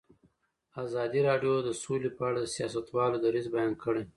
ازادي راډیو د سوله په اړه د سیاستوالو دریځ بیان کړی.